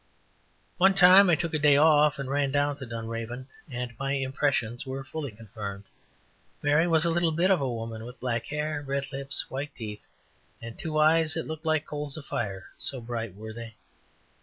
One time I took a day off and ran down to Dunraven, and my impressions were fully confirmed. Mary was a little bit of a woman, with black hair, red lips, white teeth, and two eyes that looked like coals of fire, so bright were they.